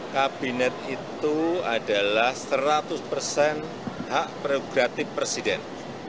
kabinet itu adalah seratus hak progratif presiden